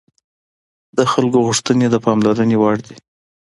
د خلکو غوښتنې د پاملرنې وړ دي